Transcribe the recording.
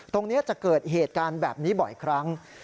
ตรงนี้จะเกิดเหตุการณ์แบบนี้บ่อยครั้ง